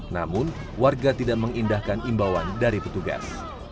namun warga tidak mengindahkan imbauan dari petugas